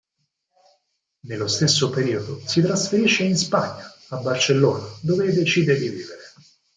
Nello stesso periodo si trasferisce in Spagna, a Barcellona, dove decide di vivere.